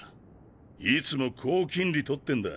いつも高金利取ってんだ。